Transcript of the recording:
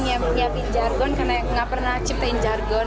enggak pernah siapin jargon karena enggak pernah ciptain jargon